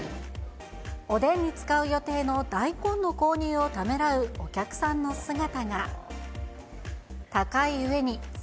おでんに使う予定の大根の購入をためらうお客さんの姿が。